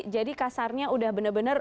jadi kasarnya udah bener bener